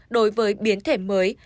đối với biến thể mới